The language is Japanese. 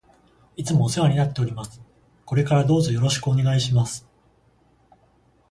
いつもお世話になっております。これからどうぞよろしくお願いします。